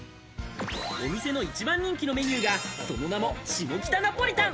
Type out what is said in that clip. お店の一番人気のメニューが、その名も下北ナポリタン。